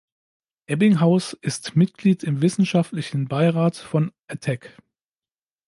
Ebbinghaus ist Mitglied im wissenschaftlichen Beirat von Attac.